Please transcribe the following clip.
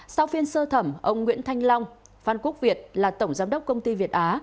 sau phiên sơ thẩm ông nguyễn thanh long phan quốc việt là tổng giám đốc công ty việt á